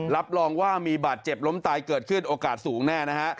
รับรองว่ามีบาดเจ็บล้มตายเกิดขึ้นโอกาสสูงแน่นะฮะ